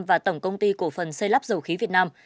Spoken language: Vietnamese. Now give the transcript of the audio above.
và tổng công ty cổ phần xây lắp dầu khí việt nam